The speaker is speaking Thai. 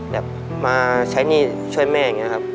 แบบมาใช้หนี้ช่วยแม่อย่างนี้ครับ